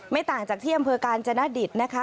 ต่างจากที่อำเภอกาญจนดิตนะคะ